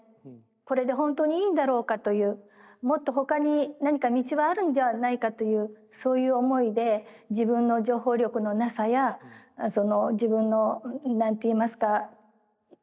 これで本当にいいんだろうかというもっとほかに何か道はあるんではないかというそういう思いで自分の情報力のなさやその自分の何て言いますか気持ちですね。